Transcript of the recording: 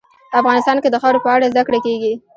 افغانستان کې د خاوره په اړه زده کړه کېږي.